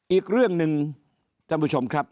อีกเรื่องหนึ่งท่านผู้ชมครับ